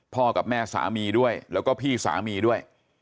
กับแม่สามีด้วยแล้วก็พี่สามีด้วย